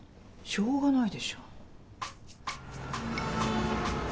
しょうがないでしょ。